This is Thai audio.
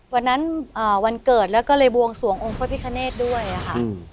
วันนั้นอ่าวันเกิดแล้วก็เลยบวงส่วงองค์พระพิฆาเนตด้วยอ่ะค่ะอืม